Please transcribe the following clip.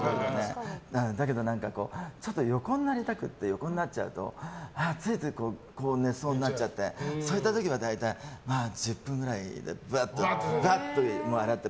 ただ、ちょっと横になりたくて横になっちゃうとついつい寝そうになっちゃってそういった時は大体１０分くらいわっと上がって。